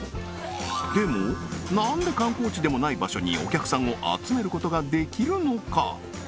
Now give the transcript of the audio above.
でも何で観光地でもない場所にお客さんを集めることができるのか？